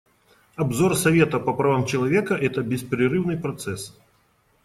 Обзор Совета по правам человека — это беспрерывный процесс.